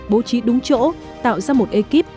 bố trí đúng chỗ tạo ra một ekip